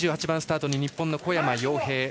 ２８番スタートに日本の小山陽平。